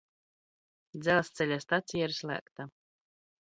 Dzelzceļa stacija ir slēgta.